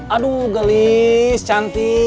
aduh gelis cantik